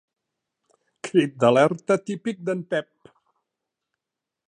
Crit d'alerta típic d'en Pep.